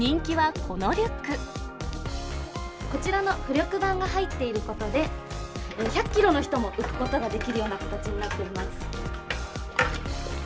こちらの浮力板が入っていることで、１００キロの人も浮くことができるような形になっております。